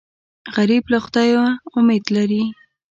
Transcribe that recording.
غریب له خدایه امید لري